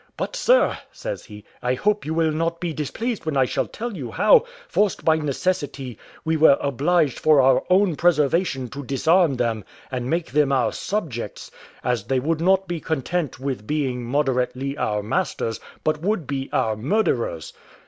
"But, sir," says he, "I hope you will not be displeased when I shall tell you how, forced by necessity, we were obliged for our own preservation to disarm them, and make them our subjects, as they would not be content with being moderately our masters, but would be our murderers."